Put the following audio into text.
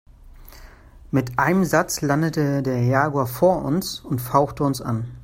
Mit einem Satz landete der Jaguar vor uns und fauchte uns an.